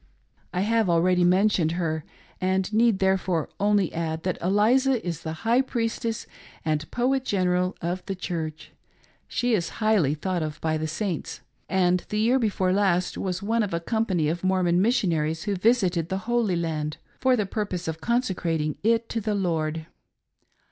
I have already mentioned her, and need ' therefore only add that Eliza is the high priestess and poet general of the Church ; she is highly thought of by the Saints, and the year before last was one of a company of Mormon^ missionaries who visited the Holy Land, for the purpose of consecrating it to the Lord.